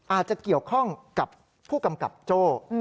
อาจจะเกี่ยวข้องกับผู้กำกับโจ้